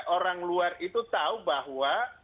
orang luar itu tahu bahwa